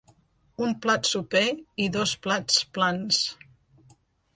Un plat soper i dos plats plans.